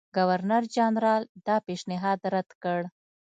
ګورنرجنرال دا پېشنهاد رد کړ.